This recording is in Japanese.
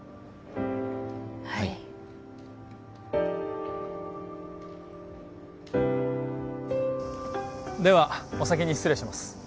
はいではお先に失礼します